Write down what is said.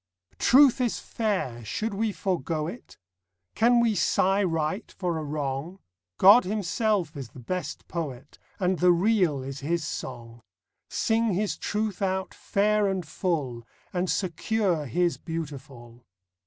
Truth is fair; should we forego it? Can we sigh right for a wrong ? God Himself is the best Poet, And the Real is His song. Sing His Truth out fair and full, And secure His beautiful.